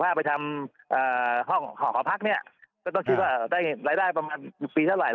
อย่างนี้ถ้าไปทำห่อพคภักดิ์ก็ต้องคิดว่าได้ไลภัยประมาณปีเท่าไหร่